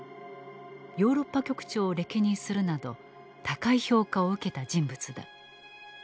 ヨーロッパ局長を歴任するなど高い評価を受けた人物だ。